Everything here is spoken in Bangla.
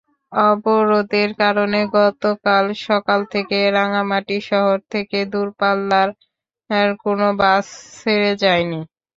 অবরোধের কারণে গতকাল সকাল থেকে রাঙামাটি শহর থেকে দূরপাল্লার কোনো বাস ছেড়ে যায়নি।